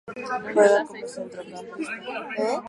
Juega como Centrocampista.